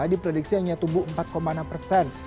diprediksi hanya tumbuh empat enam persen